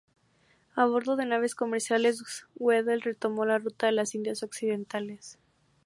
A bordo de naves comerciales, Weddell retomó la ruta de las Indias Occidentales.